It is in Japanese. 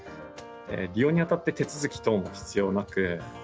利用にあたって手続き等も必要なく。